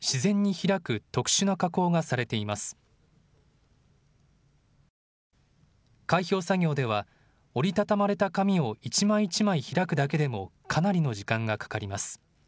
開票作業では折り畳まれた紙を一枚一枚開くだけでもかなりの時間がかかります。